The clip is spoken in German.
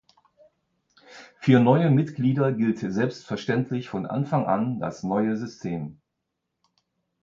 Für neue Mitglieder gilt selbstverständlich von Anfang an das neue System.